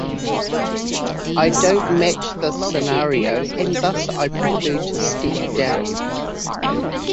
I don't match this scenario and thus I prefer to step down.